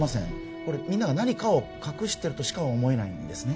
これみんなが何かを隠してるとしか思えないんですね